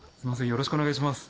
よろしくお願いします。